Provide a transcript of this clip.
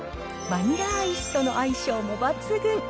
バニラアイスとの相性も抜群。